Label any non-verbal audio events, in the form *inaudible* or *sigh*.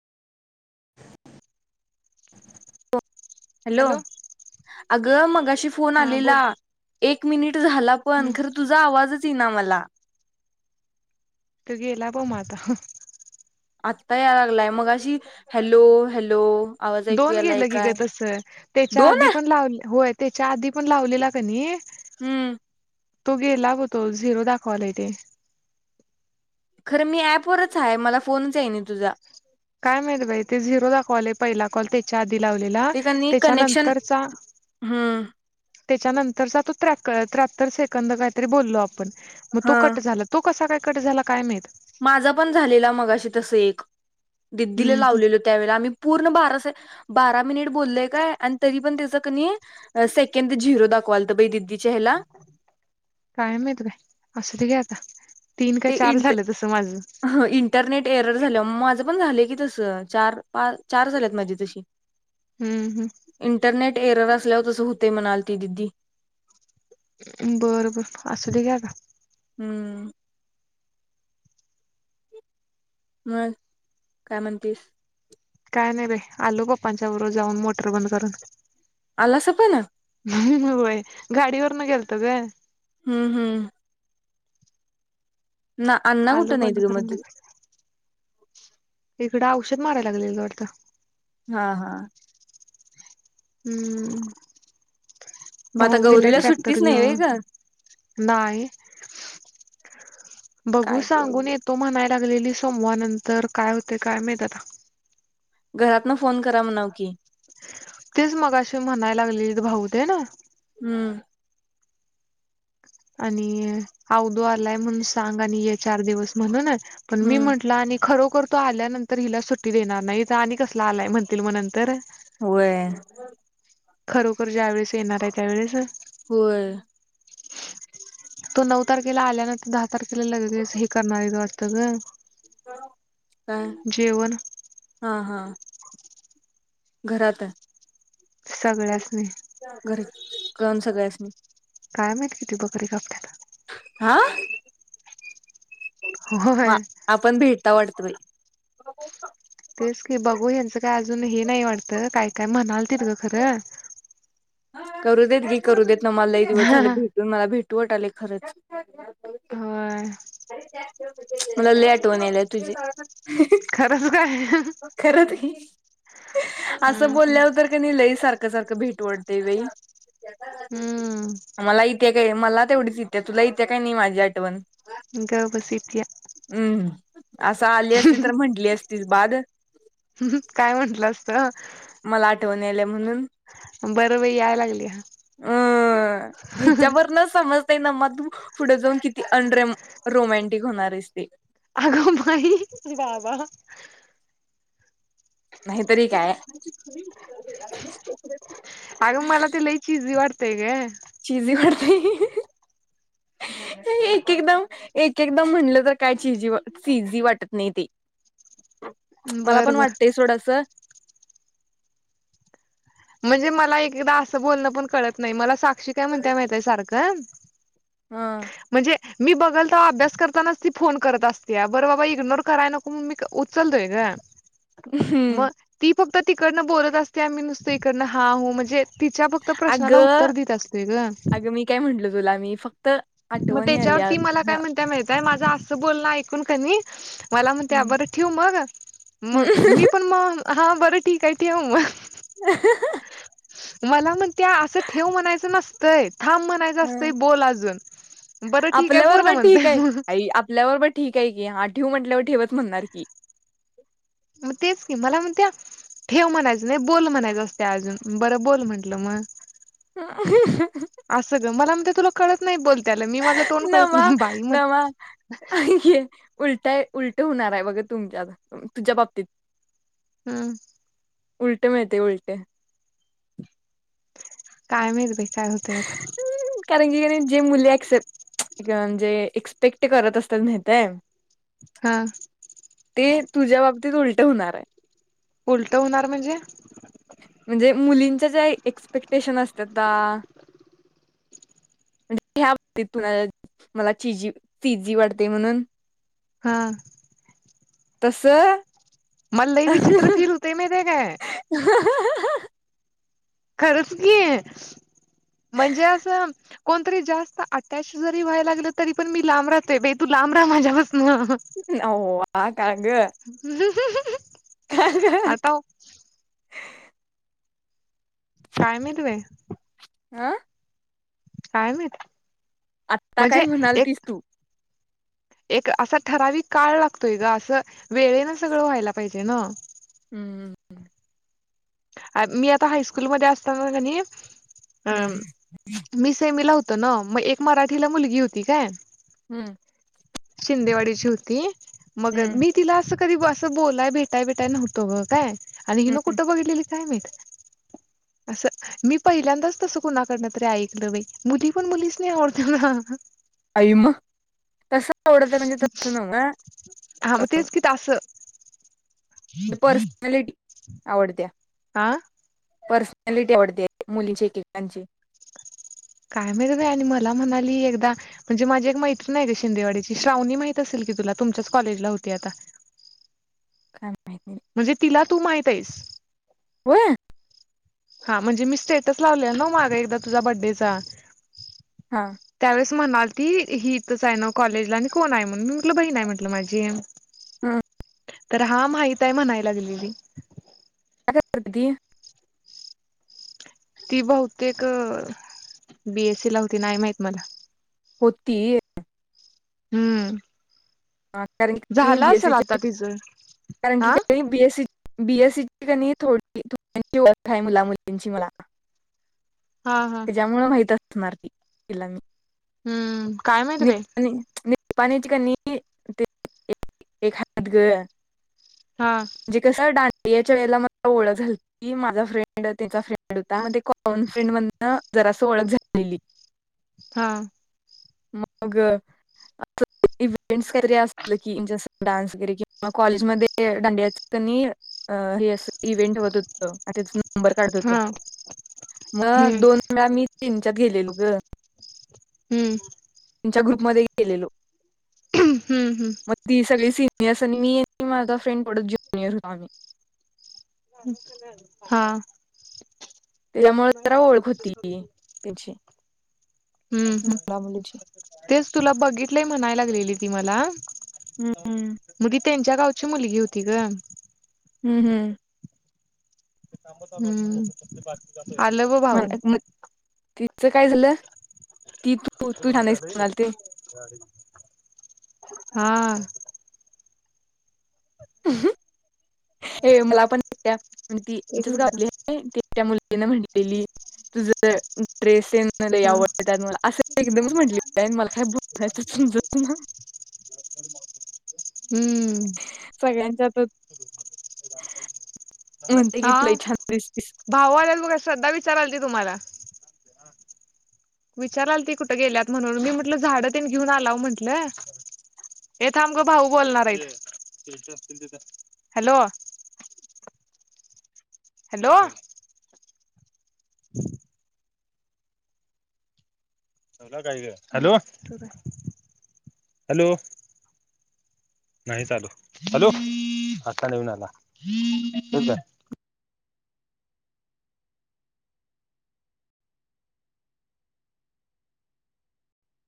Hello अग मगाशी phone हा आलेला बोल एक मिनिट झाला पण हम्म खरं तुझा आवाजच ये ना मला तुघ लाभ माात आता याय लागलाय मग अशी हॅलो हॅलो आवाज ऐकू दोन यालाय गेलं क ग काय तस त्याच्या दोन आधी पण लाव हो त्याच्या आधी पण लावलेला काणी हम्म तो गे लागतो झिरो दाखवाला तेे खरं मी ऍपवरच आहे मला फोनच आहे ना तुझा काय माहित बाई ते झिरोचा कॉल आहे पहिला कॉल त्याच्या आधी ते कनी कनेक्शन आबरधतहह हम्म ्र त्र्याहत्तर सेकंद काहीतरी बोललो आपण मग तो हा कट झाला तो कसा काय कट झाला काय मात माझा पण झालेला मगाशी तस एक दिदीला हम्म लावलेलो त्यावेला आम्ही पूर्ण बारासा बारा मिनिट बोललय काय आणि तरी पण त्याच कनी सेकंड झिरो दाखवालतं ब दिदी कायम य त काय असं ते घे आता तीन का ते चार इंट झालं तसं माझं इंटरनेट एरर झालं माझं पण झालं की तस चार चार झालेत माझी तशी हम्म हम्म टेरर असल्या तसहूते मनालती दिदी बरं बर असुली घ्या का हम्म मग काय म्हणतेस? काय नाही बाई, आलो पप्पांच्या बरोबर जाऊन मोटर बंद करून. आलासा पण अ? हम्म व्हय, गाडीवरनं गेलतो गं. हम्म, हम्म ना अण्णा आलो कुठं नाहीत बंद ग करून मधी लगी. इकडं औषध मारायला लागलेत वाटतं. हा हा. हम्म. मग आता भाऊ गेला गौरीला ट्रॅक्टर सुट्टीच नाही व्हय घेऊन, ग नाही. बघू काय ग सांगून येतो म्हणाय लागलेली सोमवार नंतर काय होतेय काय माहित आता. घरातनं फोन करा म्हणाव की. तेच मगाशी म्हणाय लागलेलीत भाऊ ते ना. हम्म आणि आवदू आलाय म्हणून सांग आणि ये चार दिवस म्हणून अ. पण मी हम्म म्हटलं आणि खरो करतो आल्यानंतर हिला सुट्टी देणार नाही, इथं आणि कसला आलाय म्हणतील मग नंतर. व्हय. खरोखर ज्यावेेळेस येणार हाय त्यावेेळेस होय तो नऊ तारखेला आल्यानंतर दहा तारखेला लगेच हे करणार आहे वाटतं गं काय? हा, हा घरात अ सगळ्यास्नी कळन सगळ्यासणी काय माहित किती बकरी कापत्यात? आ? म होय आपण भेटता वाट त बाई. तेच की, बघू यांचं काय अजून हे नाही वाटतं, काय काय म्हणालतीत गं खरं. करू देत नाय करू देत, ना मला लई दिवस झालं भेटून, मला भेटू वाटालय खरंच. होय. मला लय आठवन यायल्या तुझी. खरंच काय? खरचं कि, असं हम्म बोलल्यावर तर की नाय लई सारखं सारखं भेटू वाटतंय बाई, हम्म अन मला इत्या काय मला तेवढीच इत्या, तुला इत्या का नाई माझी आठवण? ग बस इतिया. हम्म हम्म, असं आली असती तर म्हंटली असती बाद काय म्हंटलं असतं? मला आठवण यायल्या म्हणून. बरं बाई याय लागली अ ह्याच्यावरन समजतंय ना म तु पुढे जाऊन किती अन रे रोमॅनटिक होणार आहेस ते. आगो बाई, बाबा. नाहीतरी काय. अगं मला ते लय चीजी वाटतेय ग. चीजी वाटतंय. एक एकदम एक एकदम म्हणलं तर काय चिजी चिजी वाटत नाही ते. मला बर पण बर वाटतंय सोड असं. म्हणजे मला एक एकदा असं बोलणं पण कळत नाही, मला साक्षी काय म्हणत्या माहितीय सारखं हम म्हणजे मी बघल तवा अभ्यास करतानाच तीऽऽ फोन करत असत्या,, बरं बाबा इग्नोर कराय नको म्हणून मी उचलतोय गंऽ हम्म फक्त तिकडनं बोलत असतिया मी नूसतं हिकनं हा ह् म्हणजे तिच्या फक्त प्रश्नाला अगं उत्तर दित असतोय गं गुलामी फक्त मग आठवणी त्याच्यावर आल्या ती मला काय ह म्हणातीया माहित माझं असं बोलणं ऐकून कणी मला म्हणत्या हम्म. बरं ठेवू मग मग मी पण मग हा बरं ठीक आहे ठेव मग मला म्हणतीया असं ठेव म्हणायचं नसतंय थांब म्हणायचं असतंय बोल अजून बरं ठीक आहे आपल्या बोल बरबर म्हणते ठीक आहे मग आई आपल्या बरबर ठीक आहे की ह् ठेवू ठेव म्हटल्यावर ठेवच म्हणणार की मग तेच की मला म्हणती या ठेव म्हणायचं नाही बोल म्हणायचं असतंय अजून बरं बोल म्हटलं मग असं ह् ग मला म्हणते तुला कळत नाही बोल नमा नमा हे उलट आहे उलट होणार आहे व बघ तुमच्या तुझ्या बाबतीत-‍- हम् उलटे मिळतंय उलट काय माहीत बाई काय होतंय आता कारण की जे मुली अक्सेप्ट म्हणजे एसपेक्ट करत असतात माहित आहे हा ते तुझ्या बाबतीत उलट होणार आहे. उलट होणार म्हणजे म्हणजे मुलींच्या ज्या एक्सपेक्टेशन असता त्या म्हणजे ह्या बाबतीत तु मला चिजी चिजी वाटते म्हणून हा तसं मला लई विचित्र फील होतय माहित आहे काय खरचं कि म्हणजे अस कोणतरी जास्त अटॅच जरी व्हाय लागलं तरी पण मी लांब राहते बाई तू ला लांब राहा माझा पासनं नव्वा का ग *unintelligible* काय माहित बाई आ काय माहित आत्ता काय म्हणजे एक म्हणालतीस तू एक असा ठराविक काळ लागतोय गं असं वेळेने सगळं व्हायला पाहिजे ना हं मी आता हायस्कूल मध्ये असताना कणी हम्म मी सेमीला होतो ना मग एक मराठीला मुलगी होती काय हम्म शिंदेवाडीची होती मग हम्म मी तिला अस कधी असं बोलाय भेटाय बिटाय नव्हतं गं काय आणि हिन हम्म कुठं बघितलेली काय माहित असं मी पहिल्यांदाच तसं कुणाकडनं तरी ऐकलं बाई मुली पण मुलीसणी आवडतात ह् ह हा आई मग तसं आवडतय म्हणजे तसं नव्हं हा मग गं तेच कि असं पर्सनॅलिटी *unintelligible* आवडत्या आं पर्सनॅलिटी आवडते मुलींचे एकेकांची‍ *unintelligible* काय माहित बाई आणि मला म्हणाली एकदा म्हणजे माझी एक मैत्रीन आहे गं शिंदेवाड्याची श्रावणी माहित असेल कि ती तुला तुमच्याच कॉलेजला होती आता काय माहित नाही म्हणजे तिला तू माहित आहेस. होय हा म्हणजे मी स्टेटस लावले ना माग एकदा तुझा बर्थडेचा. हा. म्हणाल ती ही इथच आहे ना कॉलेजला आणि कोण आहे म्हणून मी म्हटलं बहीण आहे म्हटलं माझी. हा. तर हा माहित आहे म्हणाय लागलेली. काय करती? ती बहुतेक बीएससी ला होती नाही माहित मला. होती. हम्म. अं, कारण की झाला असेल बीएससीची आता तिच. कारण की का बीएस सी- बीएसईीची कणी थोडी थोड्यांची ओळख आहे मुला मुलींची मला. हा हा त्याच्यामुळे माहित असणार ती तिला म. हम्म काय माहिती बाई? पनी चिकननीी ते एक हात ग- हा जी का सर डान याच्या वेळेला मला ओळख झाली क माझा फ्रेंड तिचा फ्रेंड होता ते कॉमन फ्रेंड मधन- जरा असं ओळख झालेली. हा. मग. इव्हेंट्सैरे अस की जस डान्स वगैरे किं कॉलेजमध्ये दांडिया- इव्हेंट *inaudible* नंबर काढत होत हा हम्म मग दोन वेळा मी तीनच्यात गेलेलो ग. हम्म. च्या ग्रुप मध्ये केलेलो हम्म हम्म मग ती सगळी सीनि आणि मी आणि माझा फ्रेंड पडत ज्युनियर होतो आम्ही. हा. त्याच्यामुळे जरा ओळख होती त्याची. हम्म हम् तेच तुला बघितलंय म्हणाय लागलेली ती मला. हं, हं. मग ती त्यांच्या गावची मुलगी होती ग. हम्म हम्म. हम. म मग तिचं काय झालं? ती तू तू भारी छान आहेस झालं. म्हणालती. हा. हं. हे मला पण ती एक आमच्याच मिनिट थांब. गावातली त्या मु तिनं म्हणलेली तुझं ड्रेसन हा आवडत मला असं एकदमच म्हटले मला काय बोलयचं समज ना. हम. सगळ्यांच्यात. हा भाऊ आला बघा श्रद्धा विचारल ते तुम्हाला विचाराल ती कुठं गेल्यात म्हणून मी म्हटलं झाडं त्यांन घेऊन आलाव म्हंटलं. ये थांबग भाऊ बोलणार आहे. Hello- hello. *inaudible* काय हॅलो हॅलो. नाही चालू हॅलो. आता नवीन आला ठेऊ काय?